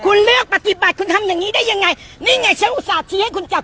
คุณเลือกปฏิบัติคุณทำอย่างงี้ได้ยังไงนี่ไงฉันอุตส่าห์ชี้ให้คุณจับ